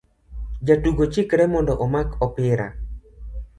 Jatugo chikre mondo omak opira